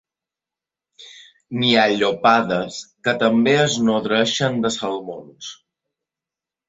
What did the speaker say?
N'hi ha llopades que també es nodreixen de salmons.